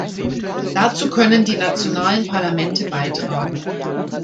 Dazu können die nationalen Parlamente beitragen.